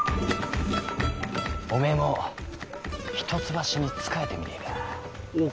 おめえも一橋に仕えてみねぇか？